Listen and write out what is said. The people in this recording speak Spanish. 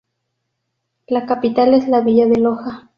La capital es la villa de Loja.